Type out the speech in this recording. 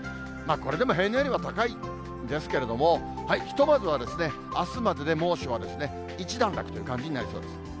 これでも平年よりは高いんですけれども、ひとまずは、あすまでで猛暑は一段落という感じになりそうです。